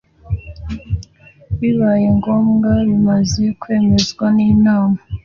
bibaye ngombwa bimaze kwemezwa n inama